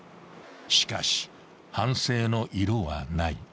［しかし反省の色はない］